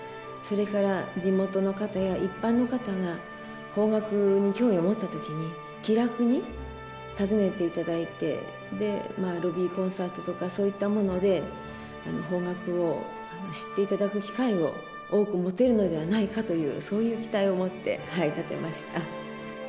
それから地元の方や一般の方が邦楽に興味を持った時に気楽に訪ねていただいてまあロビーコンサートとかそういったもので邦楽を知っていただく機会を多く持てるのではないかというそういう期待を持って建てました。